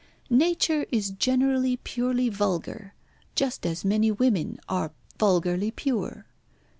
Nature is generally purely vulgar, just as many women are vulgarly pure.